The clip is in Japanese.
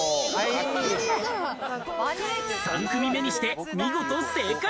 ３組目にして見事正解。